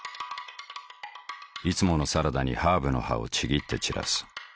いつものサラダにハーブの葉をちぎって散らす。